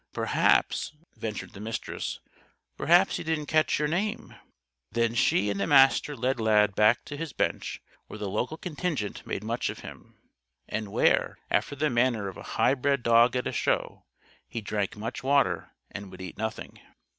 "Perhaps," ventured the Mistress, "perhaps he didn't catch your name." Then she and the Master led Lad back to his bench where the local contingent made much of him, and where after the manner of a high bred dog at a Show he drank much water and would eat nothing.